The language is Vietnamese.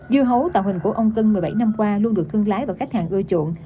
dưa hấu tạo hình của ông cân một mươi bảy năm qua luôn được thương lái và khách hàng ưa chuộng